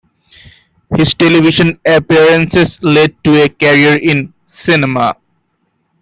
His television appearances led to a career in cinema.